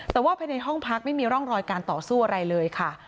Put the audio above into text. แต่ว่าภายในห้องพักไม่มีร่องรอยการต่อสู้อะไรเลยค่ะ